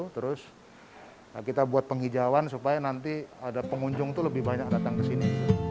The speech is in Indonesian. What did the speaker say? terus kita buat penghijauan supaya nanti ada pengunjung itu lebih banyak datang ke sini